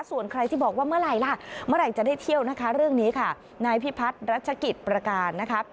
ส่วนใครบอกว่าเมื่อไหร่จะได้เที่ยวมีเรื่องนี้ค่ะ